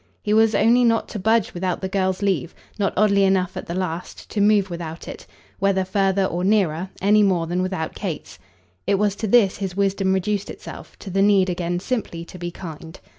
He was only not to budge without the girl's leave not, oddly enough at the last, to move without it, whether further or nearer, any more than without Kate's. It was to this his wisdom reduced itself to the need again simply to be kind.